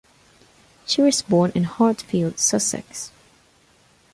She was born in Hartfield, Sussex.